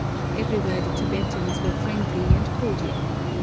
Everywhere the Tibetans were friendly and cordial.